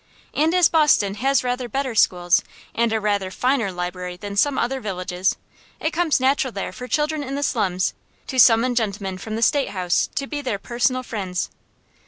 And as Boston has rather better schools and a rather finer library than some other villages, it comes natural there for children in the slums to summon gentlemen from the State House to be their personal friends.